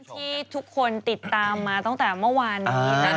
ที่ทุกคนติดตามมาตั้งแต่เมื่อวานนี้